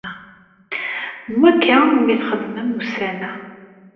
Anwa akka umi la txeddmem ussan-a?